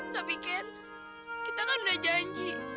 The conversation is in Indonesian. tapi kan kita kan udah janji